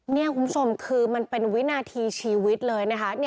นี่คุณผู้ชมคือมันเป็นวินาทีชีวิตเลยนะคะ